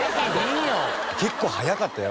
結構速かったよ